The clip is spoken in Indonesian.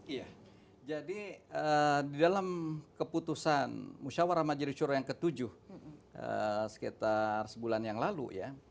iya jadi di dalam keputusan musyawarah majelis syurah yang ke tujuh sekitar sebulan yang lalu ya